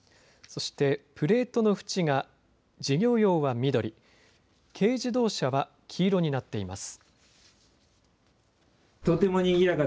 そしてプレートの縁が事業用は緑、軽自動車は黄色になっています。